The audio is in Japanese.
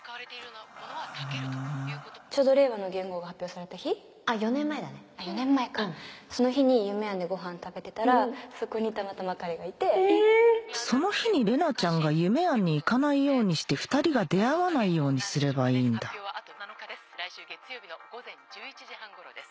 んちょうど令和の元号が発表された日その日に夢庵でごはん食べてたらそこにたまたま彼がいてその日に玲奈ちゃんが夢庵に行かないようにして２人が出会わないようにすればいいんだ発表はあと７日です来週月曜日の午前１１時半頃です。